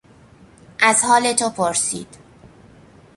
از حال تو پرسید.